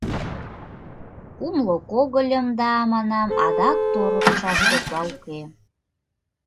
Кумло когыльым да, манам, адак торыкшат тетла уке.